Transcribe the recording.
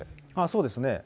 そうですね。